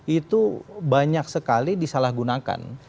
itu banyak sekali disalahgunakan